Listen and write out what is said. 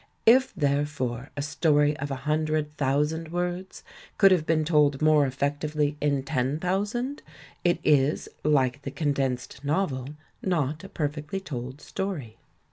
If, therefore, a story of a hundred thousand words could have been told more effec tively in ten thousand, it is, like the "condensed novel," not a perfectly told story.